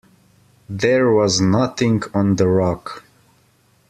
There was nothing on the rock.